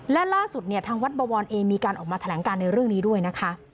และล่าสุดเนี่ยทางวัดบวรเองมีการออกมาแถลงการในเรื่องนี้ด้วยนะคะ